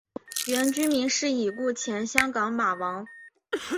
原居民是已故前香港马王。